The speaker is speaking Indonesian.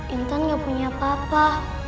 intan gak punya papa